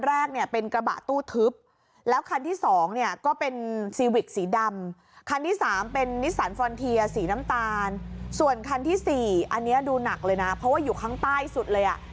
อันนี้ดูหนักเลยนะเพราะว่าอยู่ข้างใต้สุดเลยอะ